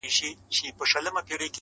• ښځي هم شیریني ورکړله محکمه -